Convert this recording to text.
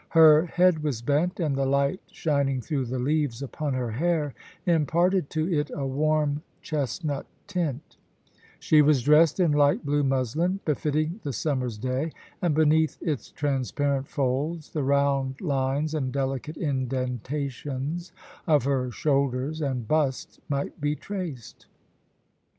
Her head was bent, and the light shining through the leaves upon her hair imparted to it a warm chestnut tint She was dressed in light blue muslin befitting the summer's day, and beneath its transparent folds the round lines and delicate indentations of her shoulders and bust might be traced.